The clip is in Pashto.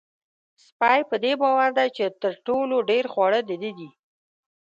سپی په دې باور دی چې تر ټولو ډېر خواړه د ده دي.